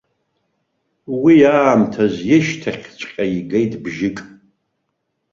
Уи аамҭаз ишьҭахьҵәҟьа игеит бжьык.